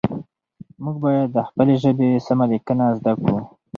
موږ باید د خپلې ژبې سمه لیکنه زده کړو